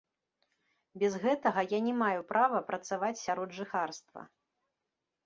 Без гэтага я не маю права працаваць сярод жыхарства.